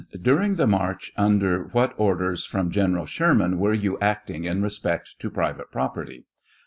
During the march under what orders from Gen eral Sherman were you acting in respect to private property